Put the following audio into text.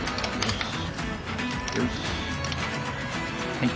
はい。